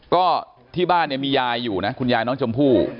ก็ที่บ้านเนี่ยมียายอยู่นะคุณยายน้องชมพู่